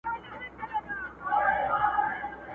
ورور گلوي له مظلومانو سره وایي.!